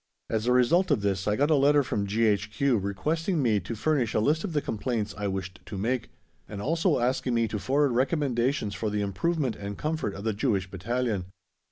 As a result of this I got a letter from G.H.Q. requesting me to furnish a list of the complaints I wished to make, and also asking me to forward recommendations for the improvement and comfort of the Jewish Battalion.